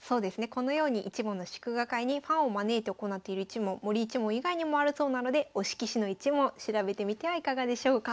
このように一門の祝賀会にファンを招いて行っている一門森一門以外にもあるそうなので推し棋士の一門調べてみてはいかがでしょうか。